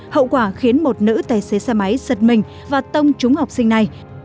hậu quả khiến một nữ tài xế xe máy giật mình và tông trúng học sinh này